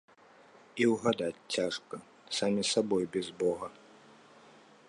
І ўгадаць цяжка, самі сабой без бога.